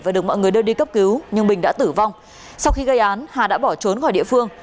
và được mọi người đưa đi cấp cứu nhưng bình đã tử vong sau khi gây án hà đã bỏ trốn khỏi địa phương